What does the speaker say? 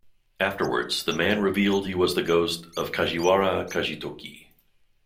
Afterwards, the man revealed he was the ghost of Kajiwara Kagetoki.